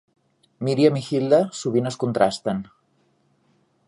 Miriam i Hilda sovint es contrasten.